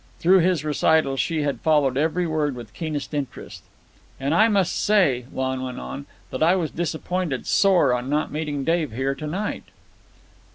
Through his recital she had followed every word with keenest interest. "An' I must say," Lon went on, "that I was disappointed sore on not meeting Dave here to night."